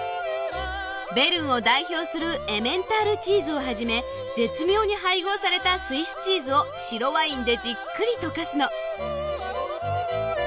ベルンを代表するエメンタールチーズをはじめ絶妙に配合されたスイスチーズを白ワインでじっくり溶かすの。